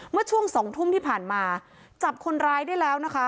เมื่อช่วงสองทุ่มที่ผ่านมาจับคนร้ายได้แล้วนะคะ